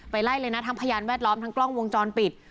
ไล่เลยนะทั้งพยานแวดล้อมทั้งกล้องวงจรปิด